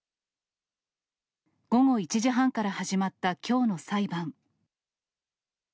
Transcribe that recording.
午後１時半から始まったきょうの裁判。